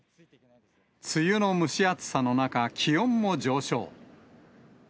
梅雨の蒸し暑さの中、気温も上昇。